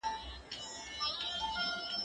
زه بايد ليکلي پاڼي ترتيب کړم!؟